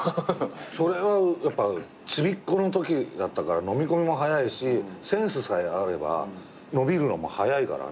それはちびっこのときだったからのみ込みも早いしセンスさえあれば伸びるのも早いからね。